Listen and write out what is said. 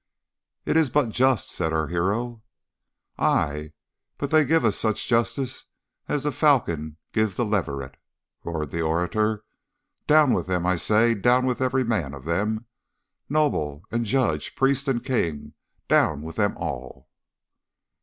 "'It is but just,' said our hero. "'Ay, but they give us such justice as the falcon gives the leveret!' roared the orator. 'Down with them, I say down with every man of them! Noble and judge, priest and king, down with them all!